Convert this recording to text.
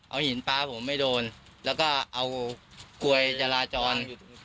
เอาหินป๊าผมไม่โดนแล้วก็เอากลวยจราจร